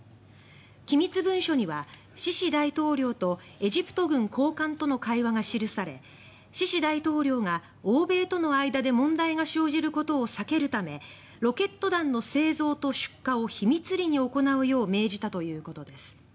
機密文書には、シシ大統領とエジプト軍高官との会話が記されシシ大統領が欧米との間で問題が生じることを避けるためロケット弾の製造と出荷を秘密裏に行うよう命じたということです。